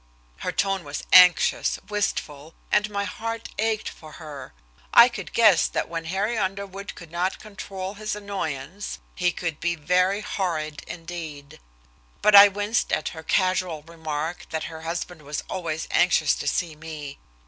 Her tone was anxious, wistful, and my heart ached for her. I could guess that when Harry Underwood could not "control his annoyance" he could be very horrid indeed. But I winced at her casual remark that her husband was always anxious to see me.